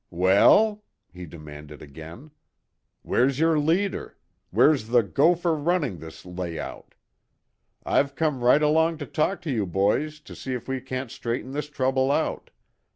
"Well?" he demanded again. "Where's your leader? Where's the gopher running this layout? I've come right along to talk to you boys to see if we can't straighten this trouble out.